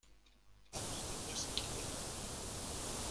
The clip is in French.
Apportez-moi ce qu’il y a de mieux.